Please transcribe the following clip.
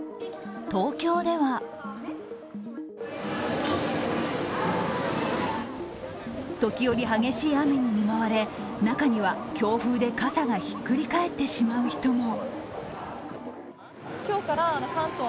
東京では時折激しい雨に見舞われ中には、強風で傘がひっくり返ってしまう人も。